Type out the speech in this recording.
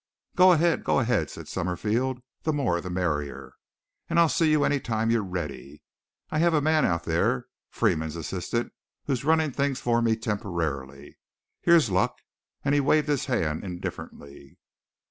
"Go ahead! Go ahead!" said Summerfield, "the more the merrier. And I'll see you any time you're ready. I have a man out there Freeman's assistant who's running things for me temporarily. Here's luck," and he waved his hand indifferently.